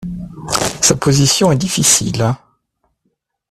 Sa position est difficile.